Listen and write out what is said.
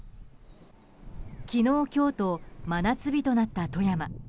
昨日今日と真夏日となった富山。